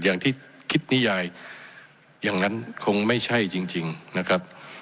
อย่างที่คิดนิยายอย่างนั้นคงไม่ใช่จริงนะครับ